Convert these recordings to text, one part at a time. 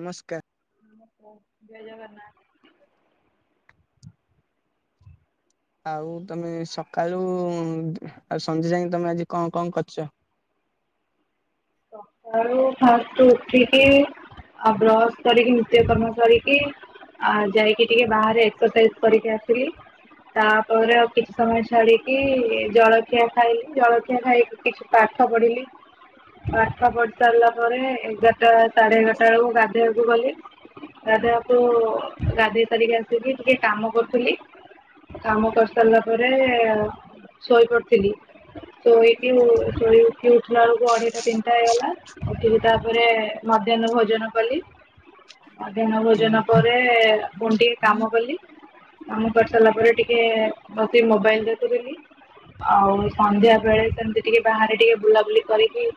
ନମସ୍କାର। ଜୟ ଜଗନ୍ନାଥ। ଆଉ ତମେ ସକାଳୁ ଉ ଆଉ ସଞ୍ଜଜାଙ୍କେ ତମେ ଆଜି କଣ କଣ କରିଚ? ସକାଳୁ ଫାଷ୍ଟରୁ ଉଠିକି ଆଉ ବ୍ରସ୍ କରିକି ନିତ୍ୟ କର୍ମ ସାରିକି ଆ ଯାଇକି ଟିକେ ବାହାରେ ଏକ୍ସରସାଇଜ କରିକି ଆସିଲି। ତାପରେ ଆଉ କିଛି ସମୟ ଛାଡିକି ଜଳଖିଆ ଖାଇଲି ଜଳଖିଆ ଖାଇକି କିଛି ପାଠ ପଢିଲି। ପାଠ ପଢି ସାରିଲା ପରେ ଏଗାରଟା ସାଢେ ଏଗାରଟା ବେଳକୁ ଗାଧେଇବାକୁ ଗଲି। ଗାଧେଇ ବାକୁ ଉ ଗାଧେଇ ସାରିକି ଆସିକି ଟିକେ କାମ କରୁଥିଲି। କାମ କରିସାରିଲା ପରେ ଶୋଇ ପଡିଥିଲି। ଶୋଇକି ଶୋଇ ଉଠିଲା ବେଳକୁ ଅଢେଇଟା। ତିନିଟା ହେଇ ଗଲା ଉଠିକି ତାପରେ ମଧ୍ୟାହ୍ନ ଭୋଜନ କଲି। ମଧ୍ୟାନ ହଁ ଭୋଜନ ପରେ ପୁଣି ଟିକେ କାମ କଲି। କାମ କରି ସାରିଲା ପରେ ଟିକେ ବସି ମୋବାଇଲି ଦେଖୁଥିଲି। ଆଉ ସନ୍ଧ୍ୟା ବେଳେ ସେମିତି ଟିକେ ବାହାରେ ଟିକେ ବୁଲାବୁଲି କରିକି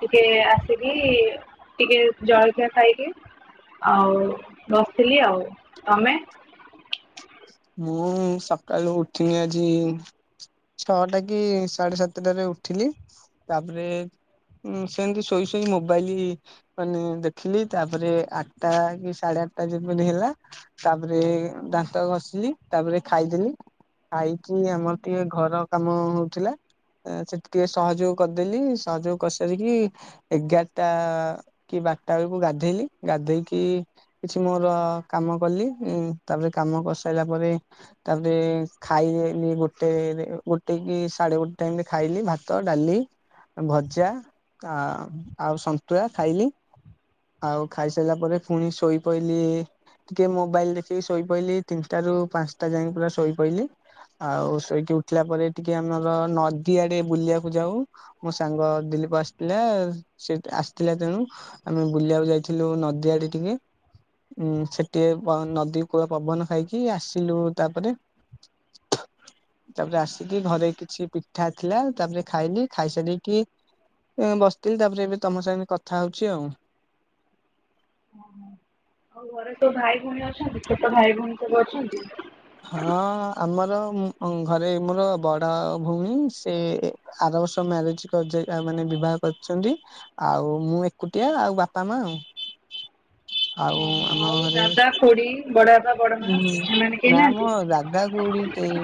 ଟିକେ ଆସିଲି ଟିକେ ଜଳଖିଆ ଖାଇଲି। ଆଉ ବସିଥିଲି ଆଉ ତମେ। ମୁଁ ସକାଳୁ ଉଠିନି ଆଜି। ଛଅଟା କି ସାଢେ ସାତଟାରେ ଉଠିଲି ତାପରେ ହୁଁ ସେମିତି ଶୋଇ ଶୋଇ ମୋବାଇଲି ମାନେ ଦେଖିଲି ତାପରେ ଆଟା କି ସାଢେ ଆଟା ଯେମିତି ହେଲା ତାପରେ ଦାନ୍ତ ଘଷିଲି ତାପରେ ଖାଇଦେଲି ଖାଇ କି ଆମର ଟିକେ ଘର କାମ ହୋଉଥିଲା। ସେ ଟିକେ ସହଯୋଗ କରିଦେଲି ସହଯୋଗ କରିସାରିକି ଏଗାରଟା କି ବାରଟା ବେଳକୁ ଗାଧେଇଲି ଗାଧେଇକି କିଛି ମୋର କାମ କଲି ଇ ତାପରେ କାମ କରିସାରିଲା ପରେ ତାପରେ ଖାଇଦେଲି ଗୋଟେରେ ଗୋଟେ କି ସାଢେ ଗୋଟେ ଟାଇମି ରେ ଖାଇଲି ଭାତ ଡାଲି। ଭଜା ଆ ଆଉ ସନ୍ତୁଳା ଖାଇଲି। ଆଉ ଖାଇସାରିଲା ପରେ ପୁଣି ଶୋଇ ପଇଲି ଟିକେ ମୋବାଇଲି ଦେଖିକି ଶୋଇପଇଲି। ତିନିଟା ରୁ ପାଞ୍ଚଟା ଯାଏ ପୁରା ଶୋଇ ପଇଲି। ଆଉ ଶୋଇକି ଉଠିଲା ପରେ ଟିକେ ଆମର ନଦୀ ଆଡେ ବୁଲିବାକୁ ଯାଉ। ମୋ ସାଙ୍ଗ ଦଲୀପ ଆସିଥିଲା ସେ ଆସିଥିଲା ତେଣୁ ଆମେ ବୁଲିଆକୁ ଯାଇଥିଲୁ ନଦୀଆଡେ ଟିକେ। ହୁଁ ସେଠି ଟିକେ ନଦୀ କୂଳ ପବନ ଖାଇକି ଆସିଲୁ ତାପରେ। ତାପରେ ଆସିକି ଘରେ କିଛି ପିଠା ଥିଲା ତାପରେ ଖାଇଲି ଖାଇସାରିକି ଏ ବସିଥିଲି ତାପରେ ଏବେ ତମ ସାଙ୍ଗେ କଥା ହୋଉଚି ଆଉ। ଉଁ ହୁଁ। ଆଉ ଘର ସବୁ ଭାଇ ଭଉଣୀ ଅଛନ୍ତି। ଛୋଟ ଭାଇ ଭଉଣୀ ସବୁ ଅଛନ୍ତି। ହଁ ଆମର ଘରେ ମୋର ବଡ ଭଉଣୀ ସେ ଆର ବର୍ଷ ମ୍ୟାରେଜ ମାନେ ବିବାହ କରିଛନ୍ତି। ଆଉ ମୁଁ ଏକୁଟିଆ ଆଉ ବାପା ମା ଆଉ ଓହୋ ଆଉ। ଆଉ ଦାଦା ଖୁଡି ବଡ ବାପା। ହୁଁ ହୁଁ ନା ମୋ ଦାଦା ଖୁଡି କେହି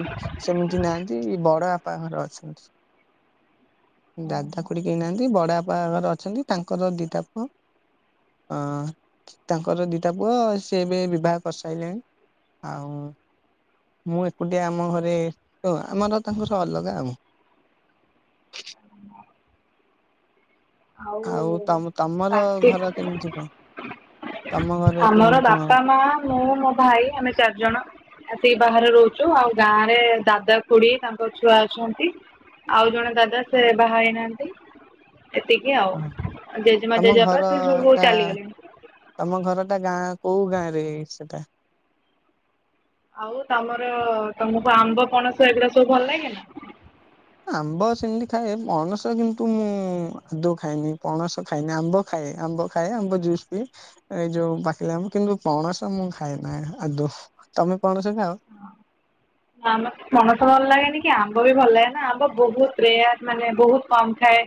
ସେମିତି ନାହାନ୍ତି ବଡବାପ ଙ୍କ ର ଅଛନ୍ତି। ଦାଦା ଖୁଡି କେହି ନାହାନ୍ତି। ବଡବାପା ଙ୍କ ର ଅଛନ୍ତି ତାଙ୍କର ଦିଟା ପୁଅ। ଅଁ ତାଙ୍କର ଦିଟା ପୁଅ ସିଏ ଏବେ ବିବାହ କରିସାରିଲେଣି। ଆଉ ମୁଁ ଏକୁଟିଆ ଆମ ଘରେ ଆମର ତାଙ୍କର ଅଲଗା ଆଉ। ଆଉ ତମ ତମର କାର୍ତ୍ତିକ ଘର କେମିତି କଣ? ତମ ଘରେ ଆମର କେମିତି କଣ ବାପା ମା ମୁଁ ମୋ ଭାଇ ଆମେ ଚାରିଜଣ। ଆସିକି ବାହାରେ ରହୁଛୁ ଆଉ ଗାଁରେ ଦାଦା ଖୁଡି ତାଙ୍କ ଛୁଆ ଅଛନ୍ତି। ଆଉ ଜଣେ ଦାଦା ସେ ବାହା ହେଇନାହାନ୍ତି। ଏତିକି ଆଉ ଜେଜେମା ତମ ଜେଜେବାପା ଘର ସେ ସବୁ ଟା ଚାଲିଗଲେଣି। ତମ ଘରଟା ଗାଁ କୋଉ ଗାଁରେ ସେଟା। ଆଉ ତମର ତମକୁ ଆମ୍ବ ପଣସ ଏଗୁଡା ସବୁ ଭଲ ଲାଗେ ନା? ଆମ୍ବ ସେମିତି ଖାଏ ପଣସ କିନ୍ତୁ ମୁଁ ଆଦୌ ଖାଇଏନି ପଣସ ଖାଇନି। ଆମ୍ବ ଖାଏ ଆମ୍ବ ଖାଏ ଆମ୍ବ ଜୁସ୍ ପିଏ। ଏଇ ଯୋଉ ପାକିଲା ଆମ୍ବ କିନ୍ତୁ ପଣସ ମୁଁ ଖାଇଏନା ନାହିଁ ଆଦୌ ତମେ ପଣସ ଖାଅ। ନା ଆମ କୁ ପଣସ ଭଲ ଲାଗେନି କି ଆମ୍ବ ବି ଭଲ ଲାଗେ ନା। ଆମ୍ବ ବହୁତ ପ୍ରେୟାସ ମାନେ ବହୁତ କମ ଖାଏ।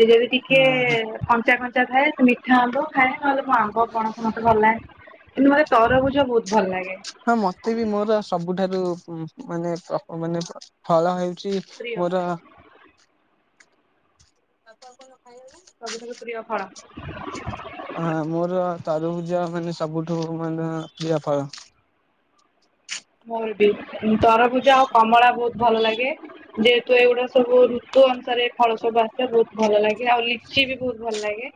ଏ ଯଦି ଟିକେ ହଁ ହଁ କଞ୍ଚା କଞ୍ଚା ଥାଏ ସେମିତି ଆମ୍ବ ଖାଏ ନହେଲେ ଆମ୍ବ ପଣସ ମତେ ଭଲ ଲାଗେ ନି କିନ୍ତୁ ମତେ ତରଭୁଜ ବହୁତ ଭଲ ଲାଗେ। ହଁ ମତେ ବି ମୋର ସବୁଠାରୁ ମାନେ ମାନେ ଫଳ ହେଉଚି ପ୍ରିୟ ମୋର ସବୁଠାରୁ ପ୍ରିୟ ଫଳ? ହଁ ମୋର ତରଭୂଜ ମାନେ ସବୁଠୁ ମାନେ ପ୍ରିୟ ଫଳ। ମୋର ବି ତରଭୂଜ ଆଉ କମଳା ବହୁତ ଭଲ ଲାଗେ। ଯେହେତୁ ଏଗୁଡା ସବୁ ଋତୁ ଅନୁସାରେ ଫଳ ସବୁ ଆସେ ବହୁତ ଭଲ ଲାଗେ ଆଉ ଲିଚି ବି ବହୁତ ଭଲ ଲାଗେ।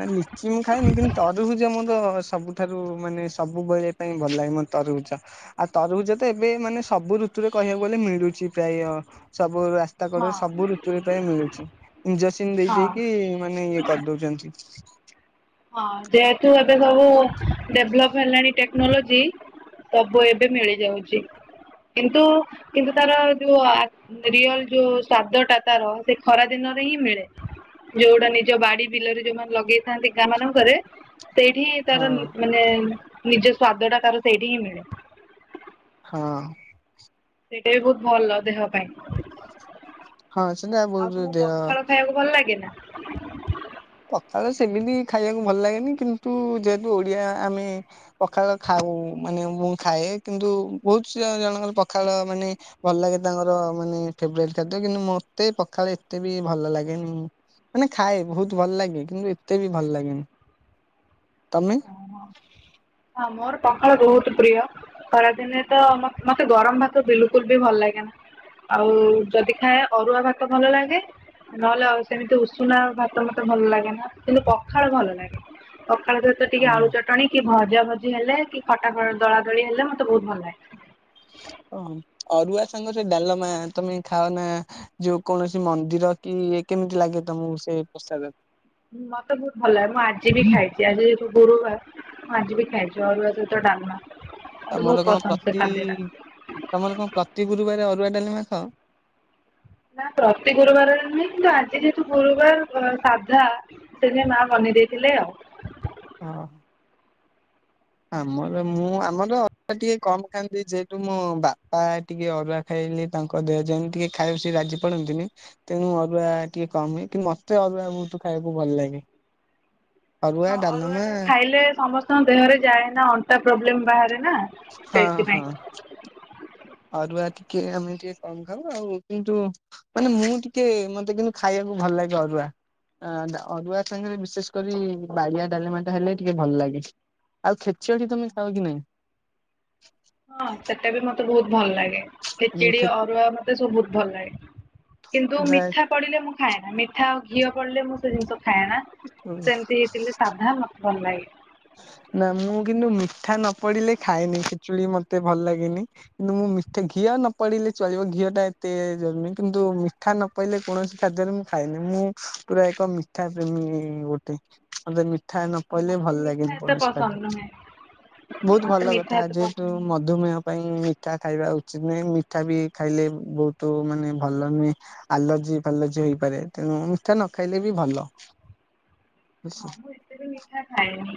ନା ଲିଚି ମୁଁ ଖାଏନି କିନ୍ତୁ ତରୁଭୂଜ ମୋର ସବୁଠାରୁ ମାନେ ସବୁବେଳେ ପାଇଁ ଭଲ ଲାଗେ ମତେ ତରଭୂଜ। ଆଉ ତରଭୂଜ ତ ଏବେ ମାନେ ସବୁ ଋତୁରେ କହିବାକୁ ଗଲେ ମିଳୁଚି ପ୍ରାୟ ସବୁ ରା ରାସ୍ତା ହଁ କଡରେ ସବୁ ଋତୁରେ ପାଇଁ ମିଳୁଚି, ଇଞ୍ଜେକ୍ସିନ ଦେଇ ହଁ ଦେଇକି ମାନେ ଇଏ କରିଦଉଚନ୍ତି। ହଁ ଯେହେତୁ ଏବେ ସବୁ ଡେଭଲପ ହେଲାଣି ଟେକ୍ନୋଲୋଜି ସବୁ ଏବେ ମିଳିଯାଉଚି। କିନ୍ତୁ କିନ୍ତୁ ତାର ଏ ଯୋଉ ଆ ରିଅଲ ଯୋଉ ସ୍ଵାଦ ଟା ତାର ସେ ଖରା ଦିନରେ ହିଁ ମିଳେ। ଯୋଉ ଗୁଡା ନିଜ ବାଡି ବିଲରେ ଯୋଉମାନେ ଲଗେଇଥାନ୍ତି। ଗାଁ ମାନଙ୍କରେ ସେଇଠି ହିଁ ହଁ ତାର ମାନେ ନିଜ ସ୍ଵାଦ ଟା ତାର ସେଇଠି ହିଁ ମିଳେ। ହଁ। ସେଇଟା ବି ବହୁତ ଭଲ ଦେହ ପାଇଁ। ଆଉ ହଁ ସେଟା ବହୁତ ତମକୁ ଦେହ ପଖାଳ ଖାଇବାକୁ ଭଲ ଲାଗେ ନା? ପଖାଳ ସେମିତି ଖାଇବାକୁ ଭଲ ଲାଗେନି କିନ୍ତୁ ଯେହେତୁ ଓଡିଆ ଆମେ ପଖାଳ ଖାଉ ମାନେ ମୁଁ ଖାଏ କିନ୍ତୁ ବହୁତ ସ ଜଣଙ୍କର ପଖାଳ ମାନେ ଭଲ ଲାଗେ ତାଙ୍କର ମାନେ ଫେବରଟ ଖାଦ୍ୟ କିନ୍ତୁ ମୋତେ ପଖାଳ ଏତେ ବି ଭଲ ଲାଗେନି। ମାନେ ଖାଏ ବହୁତ ଭଲ ଲାଗେ, କିନ୍ତୁ ଏତେ ବି ଭଲ ଲାଗେନି ତମେ? ଓୋ ହ ହଁ ମୋର ପଖାଳ ବହୁତ ପ୍ରିୟ। ଖରାଦିନେ ତ ମତ୍ ମତେ ଗରମ ଭାତ ବିଲକୁଲ ବି ଭଲ ଲାଗେନା। ଆଉ ଯଦି ଖାଏ ଅରୁଆ ଭାତ ଭଲ ଲାଗେ। ନହେଲେ ଆଉ ସେମିତି ଉଷୁନା ଭାତ ମତେ ଭଲ ଲାଗେ ନା କିନ୍ତୁ ପଖାଳ ଭଲ ଲାଗେ। ପଖାଳ ସହିତ ଟିକେ ଆଳୁ ଚଟଣି କି ଭଜା ଭଜି ହେଲେ କି ଖଟା ଦଳା ଦଳି ହେଲେ ମତେ ବହୁତ ଭଲ ଲାଗେ। ଓ ଅରୁଆ ସାଙ୍ଗରେ ଡାଲମା ତମେ ଖାଅ ନା? ଯୋଉ କୌଣସି ମନ୍ଦିର କି କେମିତି ଲାଗେ ତମକୁ ସେ ପୋସାଦ? ହୁଁ ମତେ ବହୁତ ଭଲ ଲାଗେ। ମୁଁ ଆଜି ବି ଖାଇଛି ଆଜି ଯେହେତୁ ଗୁରୁବାର। ଆଜି ବି ଖାଇଚି ଅରୁଆ ସହିତ ଡାଲମା। ମୋତେ ତମର ବହୁତ କଣ ପସନ୍ଦ ସେ ପ୍ରତି ଖାଦ୍ୟ ଟା। ତମର କଣ ପ୍ରତି ଗୁରୁବାରେ ଅରୁଆ ଡାଲମା ଖାଅ? ନା ପ୍ରତି ଗୁରୁବାର ନୁହେଁ କିନ୍ତୁ ଆଜି ଯେହେତୁ ଗୁରୁବାର ଉ ସାଧା ସେଥି ପାଇଁ ମା ବନେଇ ଦେଇଥିଲେ ଆଉ। ହଁ। ଆମର ମୁଁ ଆମର ଅରୁଆ ଟିକେ କମ ଖାଆନ୍ତି ଯେହେତୁ ମୋ ବାପା ଟିକେ ଅରୁଆ ଖାଇଲେ ତାଙ୍କ ଦେହ ଯାଏନ ଟିକେ ଖାଇବା ସେ ରାଜି ପଡନ୍ତିନି। ତେଣୁ ଅରୁଆ ଟିକେ କମ ହୁଏ। କିନ୍ତୁ ମତେ ଅରୁଆ ବହୁତ ଖାଇବାକୁ ଭଲ ଲାଗେ। ହଁ ଅରୁଆ ଟା ଖାଇଲେ ସମସ୍ତଙ୍କ ଦେହରେ ଯାଏନା। ଅଣ୍ଟା ପ୍ରୋବ୍ଲେମ ବାହାରେ ନା? ହଁ ସେଇଥିପାଇଁ ହଁ। ଅରୁଆ ଟିକେ ଆମେ ଟିକେ କମ ଖାଉ ଆଉ କିନ୍ତୁ ମାନେ ମୁଁ ଟିକେ ମତେ କିନ୍ତୁ ଖାଇବାକୁ ଭଲ ଲାଗେ ଅରୁଆ। ଅ ଅରୁଆ ସାଙ୍ଗରେ ବିଶେଷ କରି ବାଡ଼ିଆ ଡାଲମା ଟା ହେଲେ ଟିକେ ଭଲ ଲାଗେ। ଆଉ ଖେଚିଟି ତମେ ଖାଅ କି ନାଇ? ହଁ ସେଟା ବି ମତେ ବହୁତ ଭଲ ଲାଗେ। ଉଁ, ଖେଚୁଡି ଖେ- ଅରୁଆ ମତେ ସବୁତ ଭଲ ଲାଗେ କିନ୍ତୁ ମିଠା ବା- ପଡିଲେ ମୁଁ ଖାଏନା ମିଠା ଆଉ ଘିଅ ପଡିଲେ ମୁଁ ସେ ଜିନିଷ ଖାଏନା ସେମିତି ହେଇଥିଲେ ସାଧା ମତେ ଭଲ ଲାଗେ। ନା ମୁଁ କିନ୍ତୁ ମିଠା ନ ପଡିଲେ ଖାଏନି ଖେଚୁଡ଼ି ମତେ ଭଲ ଲାଗେନି। କିନ୍ତୁ ମୁଁ ମିଠେଇ ଘିଅ ନ ପଡିଲେ ଚଳିବ ଘିଅ ଟା ଏତେ ଜରୁରୀ କିନ୍ତୁ ମିଠା ନ କହିଲେ କୌଣସି ଖାଦ୍ୟରେ ମୁଁ ଖାଇନି ମୁଁ ପୁରା ଏକ ମିଠା ପ୍ରେମୀ ଗୋଟେ ମୋ ମି ମିଠାନ ପଇଲେ ମତେ ଭଲ ମିଠା ଲାଗେନି ଏତେ କୌଣସି ଖା ପସନ୍ଦ ନୁହେଁ ବହୁତ ମତେ ଭଲ ମିଠା କଥା ଏତେ ପସନ୍ଦ ଯେହେତୁ ମୁଁ? ନୁହେଁ। ମଧୁମେହ ପାଇଁ ମିଠା ଖାଇବା ଉଚିତ ନୁହେଁ ମିଠା ବି ଖାଇଲେ ବହୁତ ମାନେ ଭଲ ନୁହେଁ? ଆଲର୍ଜି ଫାଲଜି ହେଇପାରେ ତେଣୁ ମିଠା ନ ଖାଇଲେ ବି ଭଲ। ହଁ ମୁଁ ଏତେ ମିଠା ଖାଏନି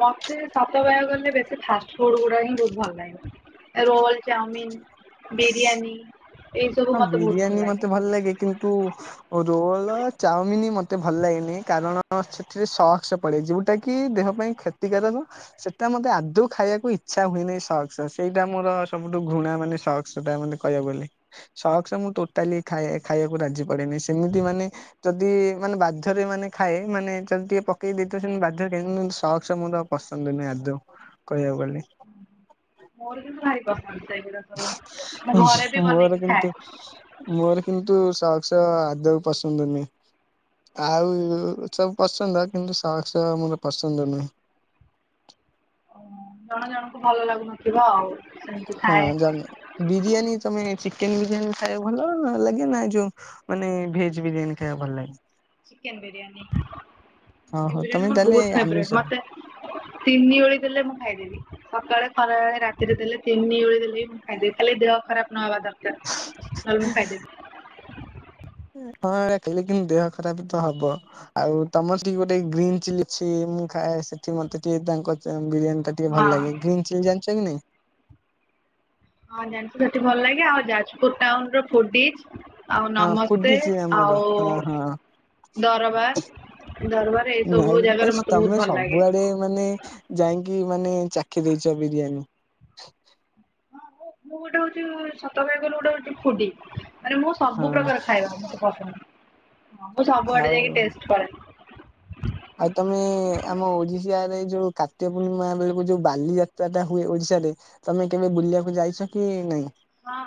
ମତେ ସତ କହିବାକୁ ଗଲେ ବେଶୀ ଫାଷ୍ଟ ଫୁଡ ଗୁଡା ହିଁ ବହୁତ ଭଲ ଲାଗେ। ରୋଲ୍ ଚାଉମିିନ୍ ବିରିୟାନୀ ଏଇ ସବୁ ହଁ ମତେ ବହୁତ ଭଲ ବିରିୟାନୀ ଲାଗେ। ମତେ ଭଲଲାଗେ କିନ୍ତୁ ରୋଲ ଚାଉମିନ ମତେ ଭଲ ଲାଗେନି କାରଣ ସେଥିରେ ସକ୍ସ ପ ପଡ଼େ ଯୋଉଟା କି ଦେହ ପାଇଁ କ୍ଷତିକାରକ। ସେଟା ମତେ ଆଦୌ ଖାଇବାକୁ ଇଚ୍ଛା ହୁଏନେଇ ସକ୍ସ ସେଇଟା ମୋର ସବୁଠୁ ଘୃଣା ମାନେ ସକ୍ସ ଟା ମାନେ କହିଆକୁ ଗଲେ ସକ୍ସକମୁଁ ଟୋଟାଲି ଖା ଖାଇବାକୁ ରାଜି ପଡେନି ସେମିତି ମାନେ ଯଦି ମାନେ ବାଧ୍ୟରେ ମାନେ ଖାଏ ମାନେ ଯଦି ଟିକେ ପକେଇ ଦେଇଥିବ ସେମିତି ବାଧ୍ୟ ଖାଏ ସକ୍ସ ମୋ ପସନ୍ଦ ନୁହେଁ ଆଦୌ କହିବାକୁ ଗଲେ। ମୋର କିନ୍ତୁ ଭାରି ପସନ୍ଦ ସେଇଗୁଡା ସବୁ। ମୁଁ ଘରେ ବି ମୋର ବନେଇକି ଖାଏ। କିନ୍ତୁ ମୋର କିନ୍ତୁ ସକ୍ସ ଆଦୌ ପସନ୍ଦ ନୁହେଁ? ଆଉ ସବୁ ପସନ୍ଦ କିନ୍ତୁ ସକ୍ସ ମୋର ପସନ୍ଦ ନୁଁହ। ଅ, ଜଣ ଜଣଙ୍କୁ ଭଲ ଲାଗୁନଥିବ ଆଉ ସେମିତି ହଁ ଥାଏ ଜାଣିନ ବିରିୟାନୀ ତମେ ଚିକେନ ବିରିୟାନୀ ଖାଇବାକୁ ଭଲ ଲାଗେ ନାଁ ଯୋଉ ମାନେ ଭେଜବିରିୟାନୀ ଖାଇବାକୁ ଭଲ ଲାଗେ? ଚିକେନ ବିରିୟାନୀ ଚିକେନ ଓହୋ ବିରିୟାନୀ ତମେ ମୋର ତାହେଲେ ବହୁତ ଆମିଷ ଫାବୋରେଟ ମୋତେ ତିନି ଓଳି ଦେଲେ ମୁଁ ଖାଇଦେବି ସକାଳେ ଖରାବେଳେ ରାତିରେ ଦେଲେ ତିନି ଓଳି ଦେଲେ ଆଜି କାଲି ଦେହ ଖରାପ ନହବା ଦରକାର ନହେଲେ ମୁଁ ଖାଇଦେବି। ହଁ ଏ ଉରା ଖାଇଲେ କିନ୍ତୁ ଦେହ ଖରାପ ତ ହବ। ଆଉ ତମର ସେଠି ଗୋଟେ ଗ୍ରୀନ୍ ଚିଲି ଅଛି ମୁଁ ଖାଏ ସେଠି ମତେ ଟିକେ ତାଙ୍କ ବିରିୟାନୀ ଟିକେ ହଁ ଭଲ ଲାଗେ ଗ୍ରୀନ୍ ଚିଲ୍ ଜାଣିଛ କି ନାଇଁ? ହଁ ଜାଣିଛୁ ସେଠି ଭଲ ଲାଗେ ଆଉ ଯାଜପୁର ଟାଉନ ର ଫୁଡି? ଆଉ ହଁ ନମସ୍ତେ ଫୁଡି ଚି ଆମର ଆଉ ହଁ ହଁ ଦରବାର୍ ଦରବାର୍ ଏଇ ନାଇଁ ସବୁ ଜାଗାରେ ମତେ ବହୁତ ଭଲ ଲାଗେ। ଯାଇଁକି ମାନେ ଚାଖି ଦେଇଛ ବିରିୟାନୀ? ହଁ ମୁଁ ଗୋଟେ ହଉଛି ସତକହିବାକୁ ଗଲେ ଗୋଟେ ହଉ ଫୁଡି ମାନେ ମୁଁ ହଁ ସବୁ ପ୍ରକାର ଖାଇବା ପସନ୍ଦଁ ମୁଁ ସବୁଆଡେ ଯାଇକି ଆଉ ଟଷ୍ଟ କରେ। ଆଉ ତମେ ଆମ ଓଡିଶାରେ ଯୋଉ କାର୍ତ୍ତିକ ପୂର୍ଣ୍ଣିମା ବେଳକୁ ଯୋଉ ବାଲି ଯାତ୍ରା ଟା ହୁଏ ଓଡିଶାରେ? ତମେ କେବେ ବୁଲିବାକୁ ଯାଇଛ କି ନାଇଁ? ହଁ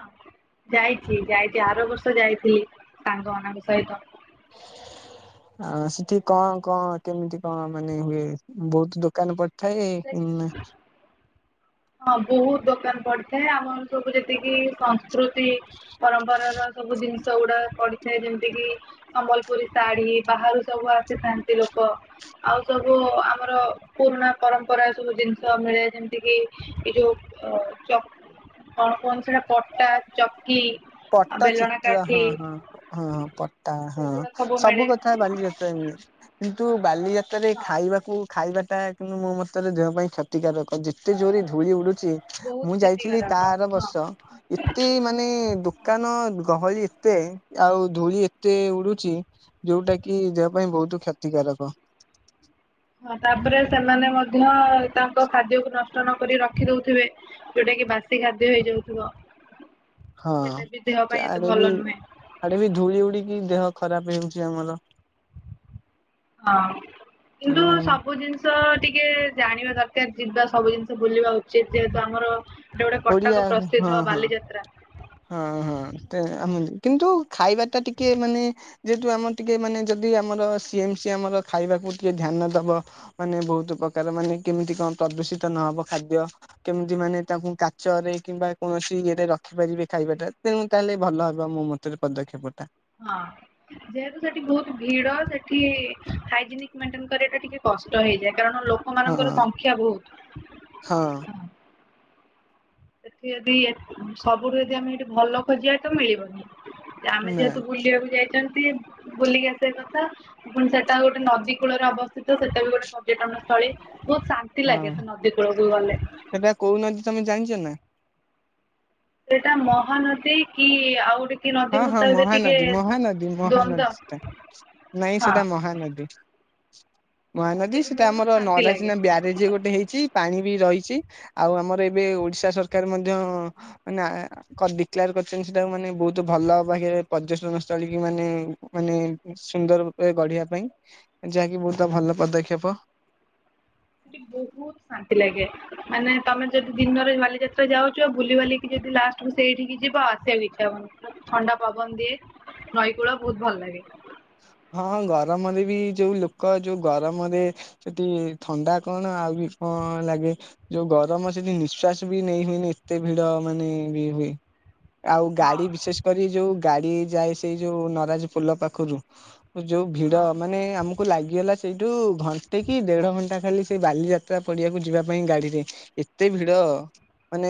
ଯାଇଛି ଯାଇଛି ଆର ବର୍ଷ ଯାଇଥିଲି ସାଙ୍ଗମାନଙ୍କ ସହିତ। [unintelligible] ଆ ସେଠି କଣ କଣ କେମିତି କଣ ମାନେ ହୁଏ ବହୁତ ଦୋକାନ ପଡି ଥାଏ ସେ ଇନା ହଁ ବହୁତ ଦୋକାନ ପଡିଥାଏ ଆମର ସବୁ ଯେତିକି ସଂସ୍କୃତି। ପରମ୍ପରା ର ସବୁ ଜିନିଷ ଗୁଡା ପଡିଥାଏ ଯେମିତି କିି। ସମ୍ବଲପୁରୀ ଶାଢ଼ୀ ବାହାରୁ ସବୁ ଆସିଥାନ୍ତି ଲୋକ। ଆଉ ସବୁ ଆମର ପୁରୁଣା ପରମ୍ପରା ସବୁ ଜିନିଷ ମିଳେ ଯେମିତି କିି ଏ ଯଉ ଅ ଚ କଣ କୁହନ୍ତି ସେଟା ପଟା ଚକଟି ପଟା ଚିତ୍ର ହଁ ହଁ ହଁ ପଟା ହଁ ସେଗୁଡା ସବୁ ମିଳେ କଥା ବାଲିଯାତ୍ରା ରେ ମିଳେ। କିନ୍ତୁ ବାଲିଯାତ୍ରାରେ ହଁ ଖାଇବାକୁ। ଖାଇବାଟା କିନ୍ତୁ ମୋ ମତରେ ଦେହ ପାଇଁ କ୍ଷତିକାରକ ଯେତେ ଜୋର ରେ ଧୂଳି ଉଡ଼ୁଚି। ବହୁତ ମୁଁ ଯାଇଥିଲି ତା କ୍ଷତିକାରକ ଆର ହଁ। ବର୍ଷ ଏତେ ମାନେ ଦୁଃ କାନ ଗହଳି ଏତେ ଆଉ ଧୂଳି ଏତେ ଉଡୁଛି। ଯୋଉଟା କି ଦେହ ପାଇଁ ବହୁତୁ କ୍ଷତିକାରକ। ହଁ ତାପରେ ସେମାନେ ମ ଧ୍ୟ ତାଙ୍କ ଖାଦ୍ୟକୁ ନଷ୍ଟ ନକରି ରଖି ଦଉଥିବେ। ଯୋଉଟା କି ବାସି ଖାଦ୍ୟ ହେଇଯାଉଥିବ ସେଟା ବି ଦେହ ହଁ ପାଇଁ ଏତେ ଆଡେ ବି ଭଲ ନୁହେଁ। ଆଡେ ବି ଧୂଳି ଉଡିକି ଦେହ ଖରାପେ ହେଉଛି ଆମର। ହଁ କିନ୍ତୁ ତେଣୁ ସ ସବୁ ଜିନିଷ ଟିକେ ଜାଣିବା ଦରକାର ଯିବା ସବୁ ଜିନିଷ ବୁଲିବା ଉଚିତ ଯେହେତୁ ଆମର ଯୋଉଟା ଓଡିଆ କଟକ ହଁ ପ୍ରସିଦ୍ଧ ହଁ। ବାଲିଯାତ୍ରା। ହଁ ହଁ [unintelligible] କିନ୍ତୁ ଖାଇବା ଟା ଟିକେ ମାନେ ଯେହେତୁ ଆମର ଟିକେ ମାନେ ଯଦି ଆମର ସିଏମ ସି ଆମର ଖାଇବାକୁ ଟିକେ ଧ୍ୟାନ ଦବ। ମାନେ ବହୁତୁ ପ୍ରକାର ମାନେ କେମିତି କଣ ପ୍ରଦୂଷିତ ନହବ ଖାଦ୍ୟ। କେମିତି ମାନେ ତାଙ୍କୁ କାଚ ରେ କିମ୍ବା କୌଣସି ଇଏରେ ରଖିପାରିବେ। ଖାଇବାଟା ତେଣୁ ତାହେଲେ ଭଲ ହବ ମୋ ମତରେ ପଦକ୍ଷେପଟା। ହଁ। ଯେହେତୁ ସେଠି ବହୁତ ଭିଡ ସେଠି ହାଇଜିନିକ୍ ମେଣ୍ଟେନ କରିବା ଟା ଟିକେ କଷ୍ଟ ହେଇଯାଏ କାରଣ ଲୋ ଲ ମାନଙ୍କର ହଁ ସଂଖ୍ୟା ବହୁତ୍। ହଁ। ସେଠି ଯଦି ସବୁଠୁ ଯଦି ଆମେ ଏଠି ଭଲ ଖୋଜିବା ତ ମିଳିବନି। ଆମେ ନା ଯେହେତୁ ବୁଲିବାକୁ ଯାଇଛନ ପି ବୁଲିକି ଆସିବା କଥା ପୁଣି ସେଟା ଗୋଟେ ନଦୀ କୂଳରେ ଅବସ୍ଥିତ ସେଟା ବି ଗୋଟେ ପର୍ଯ୍ୟଟନ ସ୍ଥଳୀ ବହୁତ ଶାନ୍ତି ହଁ ଲାଗେ ସେ ନଦୀ କୂଳକୁ ଗଲେ। ସେଟା କଉ ନଦୀ ତମେ ଜାଣିଚ ନା? ସେଟା ମହାନଦୀ କି ଆଉ ଗୋଟେ କି ନଦୀ ହଁ ମୁଁ ହଁ ତା ଭିତରେ ଟିକେ ମହାନଦୀ ମହାନଦୀ ଦ୍ଵନ୍ଦ ମହାନଦୀ ସେଟା ନାଇଁ ହଁ ସେଟା ମହାନଦୀ। ମହାନଦୀ ସେଇଠି ସେଟା ବହୁତ ଆମର ଶାନ୍ତି ନଦା ଲାଗେ। ଚିହ୍ନା ବ୍ୟାରେଜ ଗୋଟେ ହେଇଚି। ପାଣି ବି ରହିଛି ଆଉ ଆମର ଏବେ ଓଡିଶା ସରକାର ମଧ୍ୟ ମାନ କ ଡିକ୍ଲୋର କରିଛନ୍ତି ସେଟାକୁ ମାନେ ବହୁତ ଭଲ ପାଖେରେ ପର୍ଯ୍ୟଟନ ସ୍ଥଳୀ କି ମାନେ ମାନେ ସୁନ୍ଦର ଗଢିବା ପାଇଁ ଯାହାକି ବହୁତ ଭଲ ପଦକ୍ଷେପ। ସେଠି ବହୁତ୍ ଶାନ୍ତି ଲାଗେ। ମାନେ ତମେ ଯେଦି ଦିନରେ ବାଲିଯାତ୍ରା ଯାଉଚ ଆଉ ବୁଲି ବାଲିକି ଯେଦି ଲାଷ୍ଟକୁୁ ସେଇଠିକି ଯିବ ଆଉ ଆସିଆକୁ ଇଚ୍ଛା ହବନି। ଥଣ୍ଡା ପବନ ଦିଏ। ନଈକୂଳ ବହୁତ୍ ଭଲ ଲାଗେ। ହଁ ଗରମ ରେ ବି ଯୋଉ ଲୋକ ଯୋଉ ଗରମ ରେ ସେଠି ଥଣ୍ଡା କଣ ଆଉ ବି କଣ ଲାଗେ। ଯୋଉ ଗରମ ସେଠି ନିଶ୍ୱାସ ବି ନେଇ ହୁଏନି ଏତେ ଭିଡ ମାନେ ବି ହୁଏ। ଆଉ ହଁ ଗାଡି ବିଶେଷ କରି ଯୋଉ ଗାଡି ଯାଏ ସେଇ ଯୋଉ ନରାଜ ପୋଲ ପାଖରୁ ଯୋଉ ଭିଡ ହଁ। ମାନେ ଆମୁକ୍ କୁ ଲାଗିଗଲା ସେଇଠୁ ଘଣ୍ଟେ କି ଦେଢ଼ ଘଣ୍ଟା ଖାଲି ସେ ବାଲିଯାତ୍ରା ପଡ଼ିଆକୁ ଯିବା ପାଇଁ ଗାଡ଼ିରେ। ଏତେ ଭିଡ? ମାନେ